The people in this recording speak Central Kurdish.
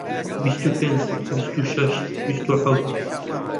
بیست و پێنج، بیست و شەش، بیست و حەوت